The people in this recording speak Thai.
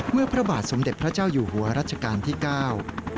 พระบาทสมเด็จพระเจ้าอยู่หัวรัชกาลที่เก้า